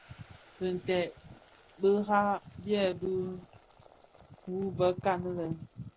Binted bira byèbi mbi wu bëkan lè.